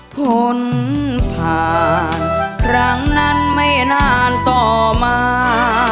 ผลผ่านครั้งนั้นไม่นานต่อมา